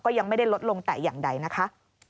ยังไม่ได้ลดลงแต่อย่างใดนะคะ